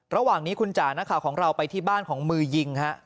ระหว่างนี้คุณจ๋านักข่าวของเราไปที่บ้านของมือยิงฮะ